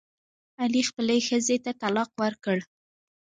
علي خپلې ښځې ته طلاق ورکړ.